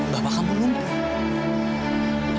bapak kamu lumpuh